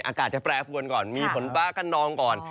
อากาศจะแปรปวนก่อนมีฝนฟ้ากระนองก่อน